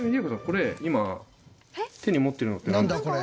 これ今手に持ってるのってなんですか？